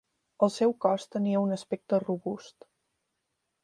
El seu cos tenia un aspecte robust.